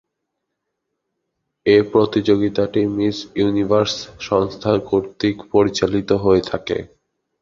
এ প্রতিযোগিতাটি Miss Universe সংস্থা কর্তৃক পরিচালিত হয়ে থাকে।